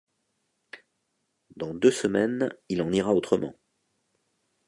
Dans deux semaines, il en ira autrement.